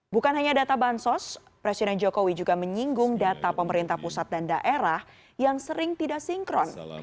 bukan hanya data bansos presiden jokowi juga menyinggung data pemerintah pusat dan daerah yang sering tidak sinkron